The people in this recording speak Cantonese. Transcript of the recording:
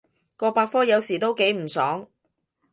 個百科有時都幾唔爽